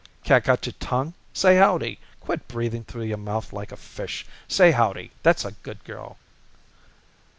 "Cat got your tongue? Say howdy. Quit breathing through your mouth like a fish. Say howdy, that's a good girl."